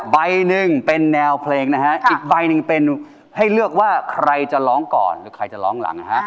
ใบหนึ่งเป็นแนวเพลงนะฮะอีกใบหนึ่งเป็นให้เลือกว่าใครจะร้องก่อนหรือใครจะร้องหลังนะฮะ